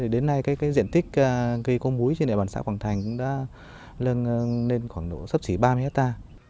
đến nay diện tích cây có múi trên địa bàn xã quảng thành cũng đã lên khoảng độ sắp xỉ ba mươi hectare